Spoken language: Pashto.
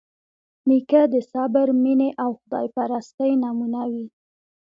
نیکه د صبر، مینې او خدایپرستۍ نمونه وي.